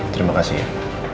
terima kasih ya